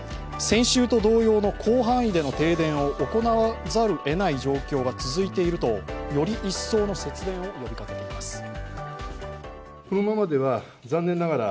先週と同様の広範囲での停電を行わざるをえない状況が続いていると、より一層の節電を呼びかけています。